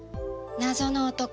謎の男。